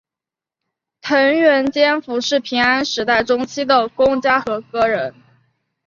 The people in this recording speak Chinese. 藤原兼辅是平安时代中期的公家和歌人。